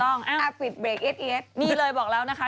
ต้องอ้าวมีเลยบอกแล้วนะคะ